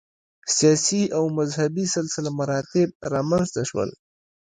سیاسي او مذهبي سلسله مراتب رامنځته شول.